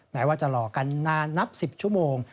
แม้ว่าจะหลอกกันนานนับ๑๐ชั่วโมง